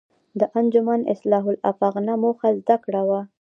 د انجمن اصلاح الافاغنه موخه زده کړه وه.